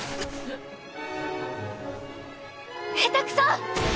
下手くそ！